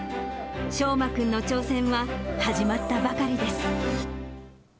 聖真君の挑戦は始まったばかりです。